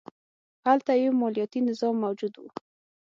هلته یو مالیاتي نظام موجود و